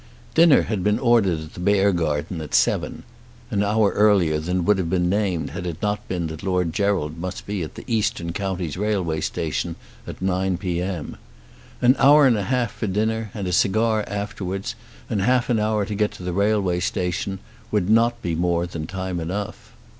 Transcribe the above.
Dinner had been ordered at the Beargarden at seven, an hour earlier than would have been named had it not been that Lord Gerald must be at the Eastern Counties Railway Station at nine P.M. An hour and a half for dinner and a cigar afterwards, and half an hour to get to the railway station would not be more than time enough.